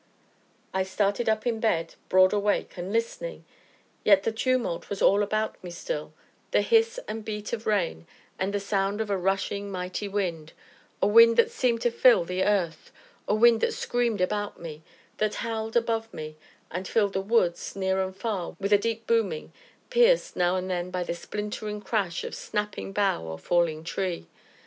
I started up in bed, broad awake, and listening; yet the tumult was all about me still the hiss and beat of rain, and the sound of a rushing, mighty wind a wind that seemed to fill the earth a wind that screamed about me, that howled above me, and filled the woods, near and far, with a deep booming, pierced, now and then, by the splintering crash of snapping bough or falling tree.